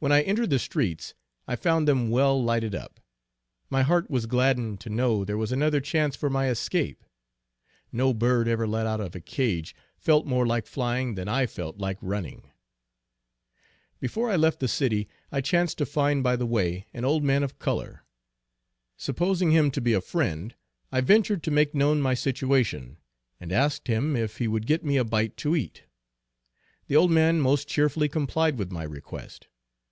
When I entered the streets I found them well lighted up. My heart was gladdened to know there was another chance for my escape. No bird ever let out of a cage felt more like flying, than I felt like running. Before I left the city, I chanced to find by the way, an old man of color. Supposing him to be a friend, I ventured to make known my situation, and asked him if he would get me a bite to eat. The old man most cheerfully complied with my request.